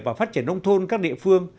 và phát triển nông thôn các địa phương